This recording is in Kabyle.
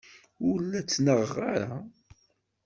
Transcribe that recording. Ur la ttnaɣeɣ ara.